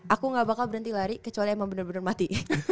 aku gak bakal berhenti lari kecuali emang benar benar mati